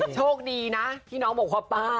โชคดีนะที่น้องก็ปอ้า